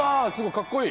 かっこいい！